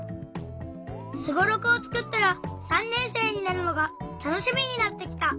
スゴロクをつくったら３年生になるのがたのしみになってきた！